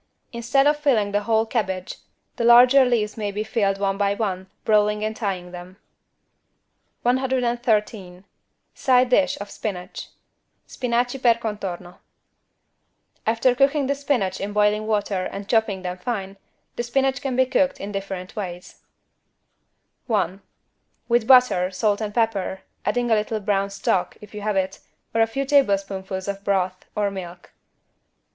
Instead of filling the whole cabbage, the larger leaves may be filled one by one, rolling and tying them. 113 SIDE DISH OF SPINACH (Spinaci per contorno) After cooking the spinach in boiling water and chopping them fine, the spinach can be cooked in different ways: 1. With butter, salt and pepper, adding a little brown stock, if you have it, or a few tablespoonfuls of broth, or milk.